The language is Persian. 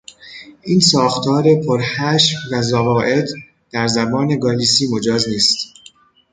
این ساختار پر حشو و زوائد در زبان گالیسی مجاز نیست.